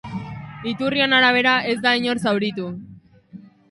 Iturrion arabera, ez da inor zauritu.